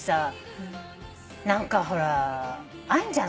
何かほらあんじゃん